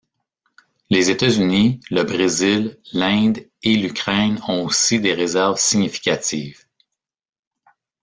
Les États-Unis, le Brésil, l'Inde et l'Ukraine ont aussi des réserves significatives.